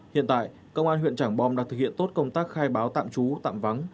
hiện tại công an huyện trảng bom đang thực hiện tốt công tác khai báo tạm trú tạm vắng